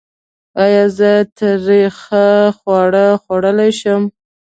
ایا زه تریخ خواړه خوړلی شم؟